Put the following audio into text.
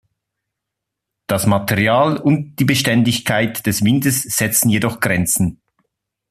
Das Material und die Beständigkeit des Windes setzen jedoch Grenzen.